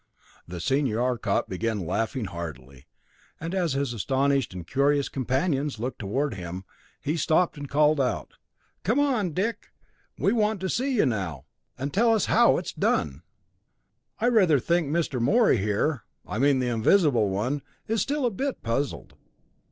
The senior Arcot began laughing heartily, and as his astonished and curious companions looked toward him, he stopped and called out, "Come on, Dick! We want to see you now. And tell us how it's done! I rather think Mr. Morey here I mean the visible one is still a bit puzzled."